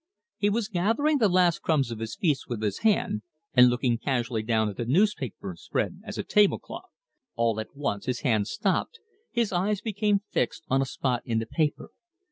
He was gathering the last crumbs of his feast with his hand, and looking casually down at the newspaper spread as a table cloth. All at once his hand stopped, his eyes became fixed on a spot in the paper.